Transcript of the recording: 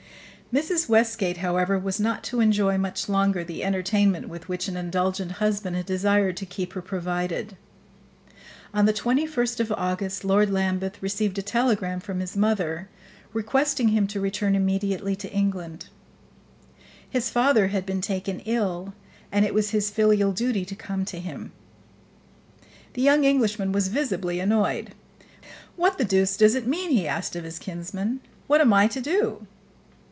Mrs. Westgate, however, was not to enjoy much longer the entertainment with which an indulgent husband had desired to keep her provided. On the 21st of August Lord Lambeth received a telegram from his mother, requesting him to return immediately to England; his father had been taken ill, and it was his filial duty to come to him. The young Englishman was visibly annoyed. "What the deuce does it mean?" he asked of his kinsman. "What am I to do?"